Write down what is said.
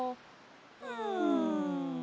うん。